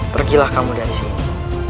pergilah kamu dari sini